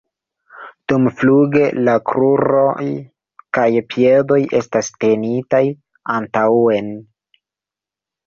Dumfluge la kruroj kaj piedoj estas tenitaj antaŭen.